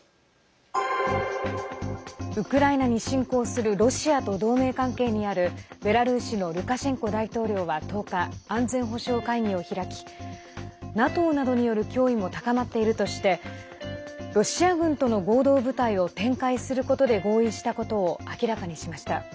ウクライナに侵攻するロシアと同盟関係にあるベラルーシのルカシェンコ大統領は１０日安全保障会議を開きＮＡＴＯなどによる脅威も高まっているとしてロシア軍との合同部隊を展開することで合意したことを明らかにしました。